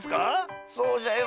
そうじゃよ。